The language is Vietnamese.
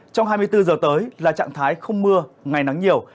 trong hai mươi bốn giờ tới là trạng thái không mưa ngày nắng nhiều